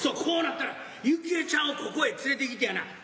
こうなったら幸恵ちゃんをここへ連れてきてやな